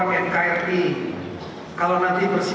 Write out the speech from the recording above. semua kabupaten ada lima ratus ores